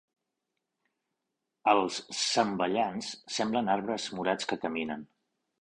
Els Zamballans semblen arbres morats que caminen.